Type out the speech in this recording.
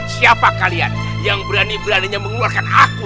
siapa kalian yang berani beraninya mengeluarkan aku